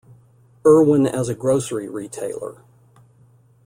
Irwin as a grocery retailer.